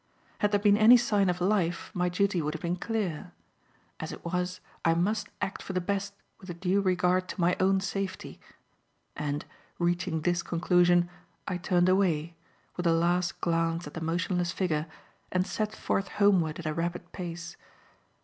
Had there been any sign of life, my duty would have been clear. As it was, I must act for the best with a due regard to my own safety. And, reaching this conclusion, I turned away, with a last glance at the motionless figure and set forth homeward at a rapid pace.